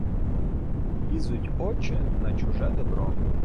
Лізуть очи на чуже добро.